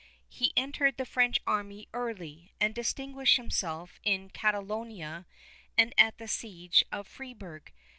He entered the French army early, and distinguished himself in Catalonia and at the siege of Fribourg.